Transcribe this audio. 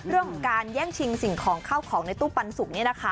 เรื่องของการแย่งชิงสิ่งของเข้าของในตู้ปันสุกเนี่ยนะคะ